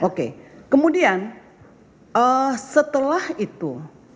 oke kemudian setelah itu